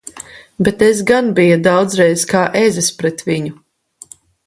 Bet es gan biju daudzreiz kā ezis pret viņu!